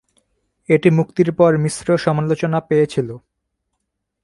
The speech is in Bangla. এটি মুক্তির পর মিশ্র সমালোচনা পেয়েছিল।